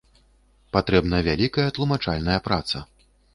Патрэбная вялікая тлумачальная праца.